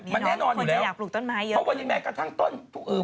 มันแน่นอนอยู่แล้วคนจะอยากปลูกต้นไม้เยอะ